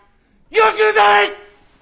よくない！